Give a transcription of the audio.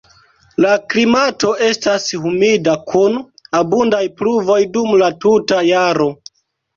La klimato estas humida kun abundaj pluvoj dum la tuta jaro.